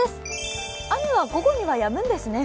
雨は午後にはやむんですね。